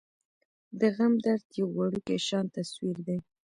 د غم درد يو وړوکے شان تصوير دے ۔